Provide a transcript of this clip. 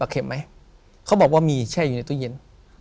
เขาบอกว่ามีแช่อยู่ในตู้เย็น